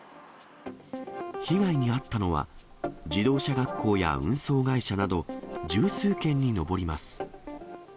被害に遭ったのは、自動車学校や運送会社など、十数件に上ります。